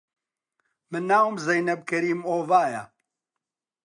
من ناوم زێنەب کەریم ئۆڤایە